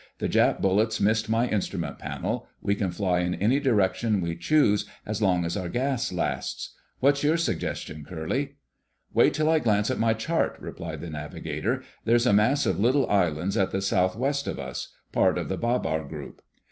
"The Jap bullets missed my instrument panel. We can fly in any direction we choose as long as our gas lasts. What's your suggestion, Curly?" "Wait till I glance at my chart," replied the navigator. "There's a mass of little islands at the southwest of us—part of the Babar group.